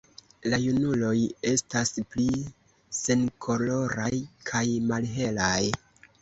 La junuloj estas pli senkoloraj kaj malhelaj.